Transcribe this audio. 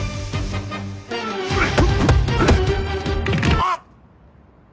あっ！